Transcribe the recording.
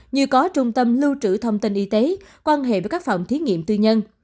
như có trung tâm lưu trữ thông tin y tế quan hệ với các phòng thí nghiệm tư nhân